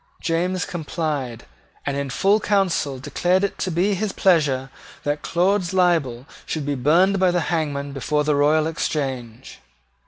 James complied, and in full council declared it to be his pleasure that Claude's libel should be burned by the hangman before the Royal Exchange.